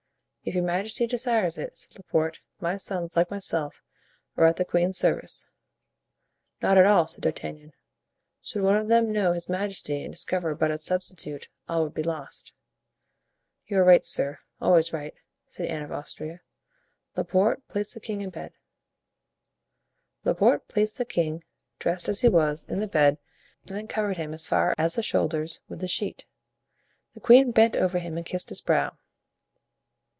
"If your majesty desires it," said Laporte, "my sons, like myself, are at the queen's service." "Not at all," said D'Artagnan; "should one of them know his majesty and discover but a substitute, all would be lost." "You are right, sir, always right," said Anne of Austria. "Laporte, place the king in bed." Laporte placed the king, dressed as he was, in the bed and then covered him as far as the shoulders with the sheet. The queen bent over him and kissed his brow.